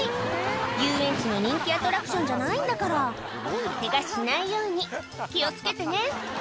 遊園地の人気アトラクションじゃないんだからケガしないように気を付けてね